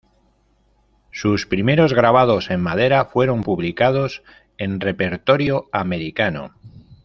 Sus primeros grabados en madera fueron publicados en "Repertorio Americano".